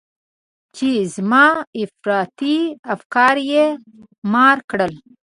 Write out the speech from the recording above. چې زما افراطي افکار يې مهار کړل.